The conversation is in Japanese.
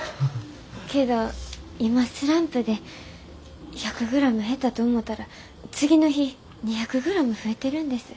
けど今スランプで１００グラム減ったと思たら次の日２００グラム増えてるんです。